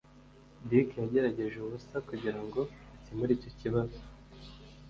Dick yagerageje ubusa kugirango akemure icyo kibazo